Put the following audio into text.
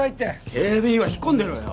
警備員は引っ込んでろよ。